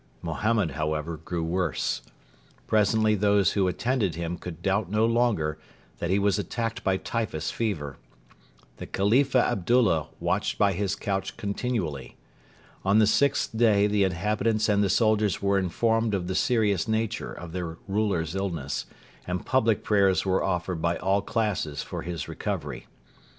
Mohammed, however, grew worse. Presently those who attended him could doubt no longer that he was attacked by typhus fever. The Khalifa Abdullah watched by his couch continually. On the sixth day the inhabitants and the soldiers were informed of the serious nature of their ruler's illness, and public prayers were offered by all classes for his recovery.